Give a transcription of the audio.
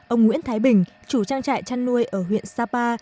ông nguyễn thái bình chủ trang trại chăn nuôi ở huyện sapa